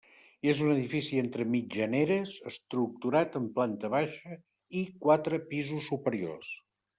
És un edifici entre mitjaneres estructurat en planta baixa i quatre pisos superiors.